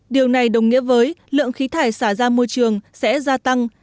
điều này đồng nghĩa với lượng khí thải xả ra môi trường sẽ gia tăng